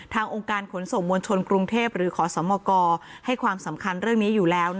องค์การขนส่งมวลชนกรุงเทพหรือขอสมกให้ความสำคัญเรื่องนี้อยู่แล้ว